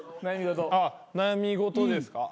悩み事ですか？